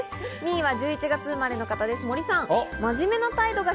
２位は１１月生まれの方、森さん。